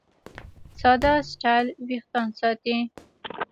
ساده سټایل وېښتيان ساتي.